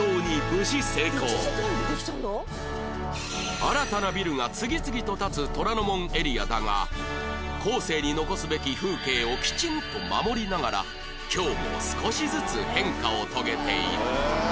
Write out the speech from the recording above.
新たなビルが次々と建つ虎ノ門エリアだが後世に残すべき風景をきちんと守りながら今日も少しずつ変化を遂げている